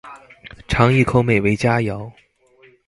嚐一口美味佳肴